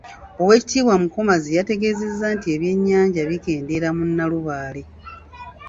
Owekitiibwa Mukomazi yategeezezza nti ebyenyanja bikeendeera mu Nnalubaale.